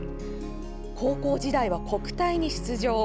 高校時代は国体に出場。